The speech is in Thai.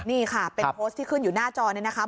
นี่ค่ะเป็นโพสต์ที่ขึ้นอยู่หน้าจอเนี่ยนะคะ